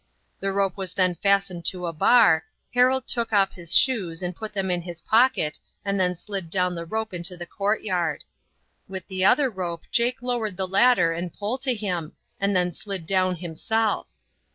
The rope was then fastened to a bar, Harold took off his shoes and put them in his pocket and then slid down the rope into the courtyard. With the other rope Jake lowered the ladder and pole to him and then slid down himself.